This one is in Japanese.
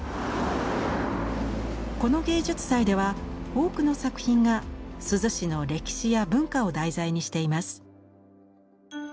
この芸術祭では多くの作品が珠洲市の歴史や文化を題材にしています。